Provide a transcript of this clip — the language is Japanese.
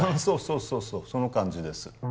そうそうそうその感じです